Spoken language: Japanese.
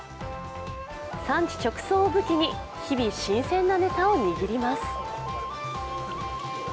産地直送を武器に日々、新鮮なネタを握ります。